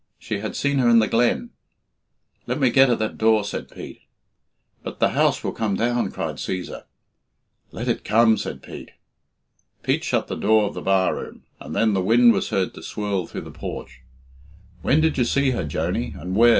She had seen her in the glen "Let me get at that door," said Pete. "But the house will come down," cried Cæsar. "Let it come," said Pete. Pete shut the door of the bar room, and then the wind was heard to swirl through the porch. "When did you see her, Joney, and where?"